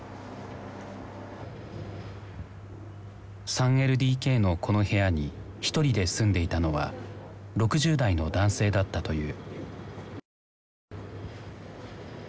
３ＬＤＫのこの部屋にひとりで住んでいたのは６０代の男性だったという。